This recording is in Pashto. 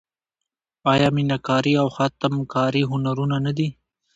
آیا میناکاري او خاتم کاري هنرونه نه دي؟